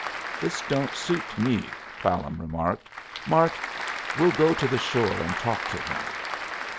"This don't suit me," Clallam remarked. "Mart, we'll go to the shore and talk to him."